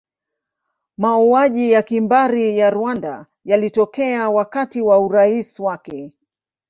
Mauaji ya kimbari ya Rwanda yalitokea wakati wa urais wake.